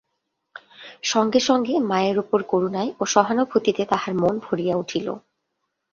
সঙ্গে সঙ্গে মায়ের উপর করুণায় ও সহানুভূতিতে তাহার মন ভরিয়া উঠিল।